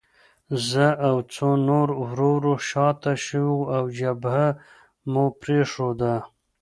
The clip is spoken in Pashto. زه او څو نور ورو ورو شاته شوو او جبهه مو پرېښوده